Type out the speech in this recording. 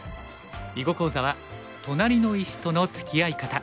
囲碁講座は「となりの石とのつきあい方」。